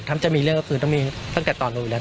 ถ้าจะมีเรื่องก็คือต้องมีตั้งแต่ตอนนู้นแล้ว